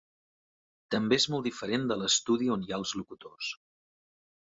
També és molt diferent de l'estudi on hi ha els locutors.